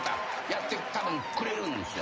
やってたぶんくれるんですよ。